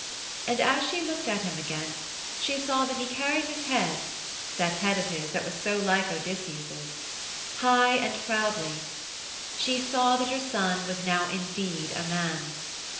And as she looked at him again she saw that he carried his head that head of his that was so like Odysseus' high and proudly. She saw that her son was now indeed a man.